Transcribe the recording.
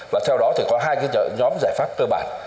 và theo đó có hai nhóm giải pháp cơ bản